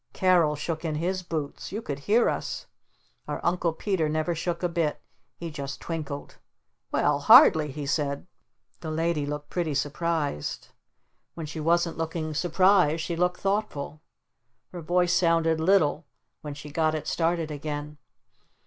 Carol shook in his boots. You could hear us. Our Uncle Peter never shook a bit. He just twinkled. "Well hardly," he said. The Lady looked pretty surprised. When she wasn't looking surprised she looked thoughtful. Her voice sounded little when she got it started again.